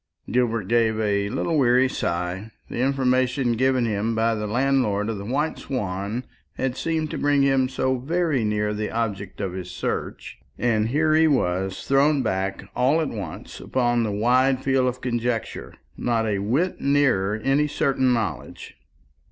Gilbert gave a little weary sigh. The information given him by the landlord of the White Swan had seemed to bring him so very near the object of his search, and here he was thrown back all at once upon the wide field of conjecture, not a whit nearer any certain knowledge.